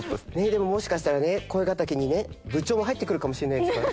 でももしかしたらね恋敵にね部長も入ってくるかもしれないですから。